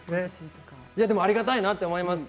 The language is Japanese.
ありがたいなと思います。